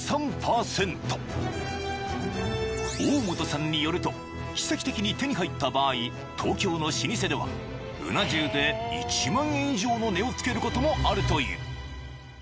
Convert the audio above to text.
［大元さんによると奇跡的に手に入った場合東京の老舗ではうな重で１万円以上の値を付けることもあるという］